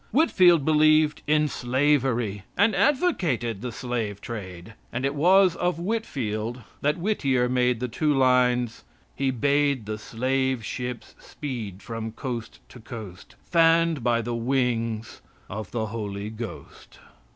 Whitfield believed in slavery and advocated the slave trade. And it was of Whitfield that Whittier made the two lines: He bade the slave ships speed from coast to coast, Fanned by the wings of the Holy Ghost.